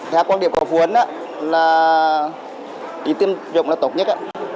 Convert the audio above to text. theo quan điểm của phụ huynh tiêm chủng là tốt nhất